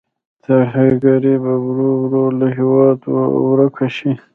ترهګري به ورو ورو له هېواده ورکه شي.